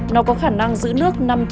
nó có khả năng giữ nước nặng